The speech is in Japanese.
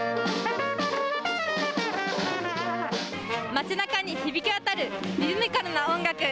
街なかに響き渡るリズミカルな音楽。